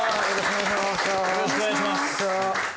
よろしくお願いします。